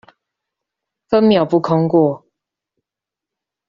分秒不空過